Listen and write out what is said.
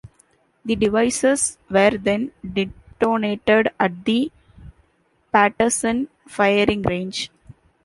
The devices were then detonated at the Paterson firing range.